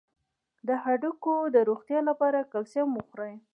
د هډوکو د روغتیا لپاره کلسیم وخورئ